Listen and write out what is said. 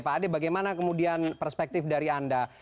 pak ade bagaimana kemudian perspektif dari anda